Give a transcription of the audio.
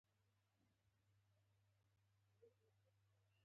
هغه د اوسپنیزو لولو جوړولو ته هم زړه نه ښه کاوه